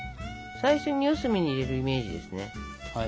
最初に四隅に入れるイメージですね。